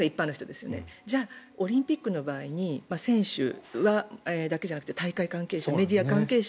じゃあオリンピックの場合に選手だけじゃなくて大会関係者やメディア関係者